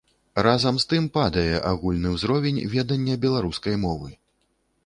Разам з тым падае агульны ўзровень ведання беларускай мовы.